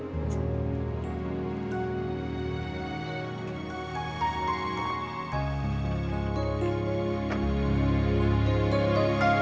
kalau iya pasti mau berkorban